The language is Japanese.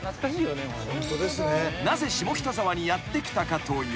［なぜ下北沢にやって来たかというと］